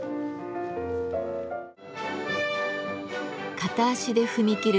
片足で踏み切る